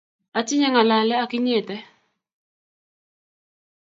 Atinye ng'alale ak inyete